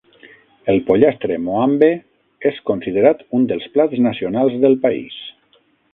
El pollastre Moambe és considerat un dels plats nacionals del país.